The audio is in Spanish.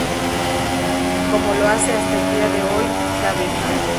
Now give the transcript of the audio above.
Como lo hace hasta el día de hoy, la bebida.